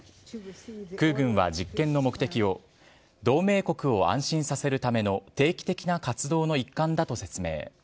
空軍は実験の目的を同盟国を安心させるための定期的な活動の一環だと説明。